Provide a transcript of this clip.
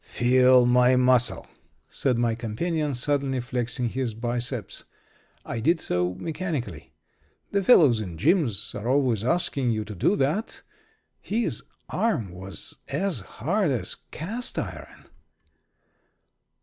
"Feel my muscle," said my companion, suddenly, flexing his biceps. I did so mechanically. The fellows in gyms are always asking you to do that. His arm was as hard as cast iron.